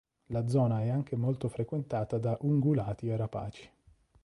La zona è anche molto frequentata da ungulati e rapaci.